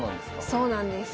そうなんです。